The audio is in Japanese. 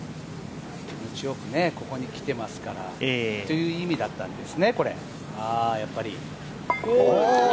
気持ちよくここにきていますからという意味だったんですね。